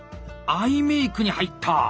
アイメイクに入った！